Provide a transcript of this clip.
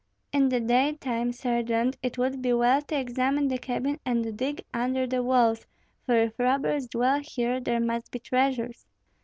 "In the daytime, Sergeant, it would be well to examine the cabin and dig under the walls; for if robbers dwell here there must be treasures."